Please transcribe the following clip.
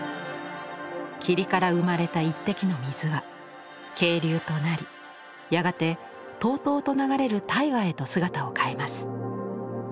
霧から生まれた一滴の水は渓流となりやがて滔々と流れる大河へと姿を変えます。